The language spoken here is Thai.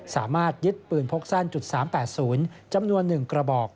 สามารถยึดปืนพกสั้น๓๘๐จำนวน๑กระบอก